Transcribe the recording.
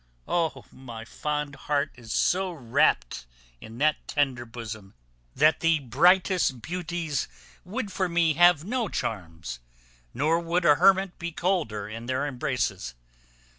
Oh! my fond heart is so wrapt in that tender bosom, that the brightest beauties would for me have no charms, nor would a hermit be colder in their embraces.